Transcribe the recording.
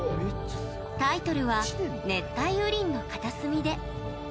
タイトルは「熱帯雨林の片隅で」。